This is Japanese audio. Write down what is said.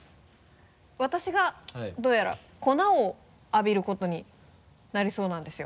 私がどうやら粉を浴びることになりそうなんですよ。